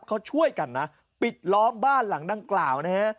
เขาช่วยกันนะปิดล้อมบ้านหลังดังกล่าวนะฮะ